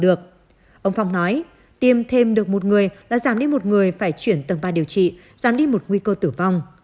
ông phong nói tiêm thêm được một người là giảm đi một người phải chuyển tầng ba điều trị giảm đi một nguy cơ tử vong